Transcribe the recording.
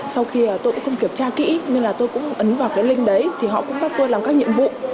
sau khi tôi cũng không kiểm tra kỹ nên là tôi cũng ấn vào cái link đấy thì họ cũng bắt tôi làm các nhiệm vụ